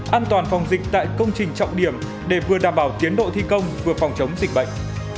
an toàn phòng dịch tại công trình trọng điểm để vừa đảm bảo tiến độ thi công vừa phòng chống dịch bệnh